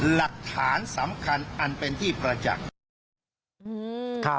หลักฐานสำคัญอันเป็นที่ประจักษ์